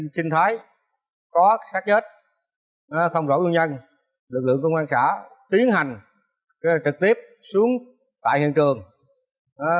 sinh thái có sát chết không rõ nguyên nhân lực lượng công an xã tiến hành trực tiếp xuống tại hiện trường